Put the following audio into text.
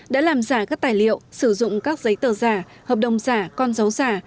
đã làm giả các tài liệu sử dụng các giấy tờ giả hợp đồng giả con dấu giả